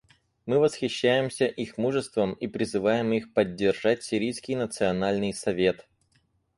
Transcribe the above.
Мы восхищаемся их мужеством и призываем их поддержать Сирийский национальный совет.